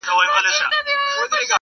نه په غم کي د مېږیانو د غمونو!!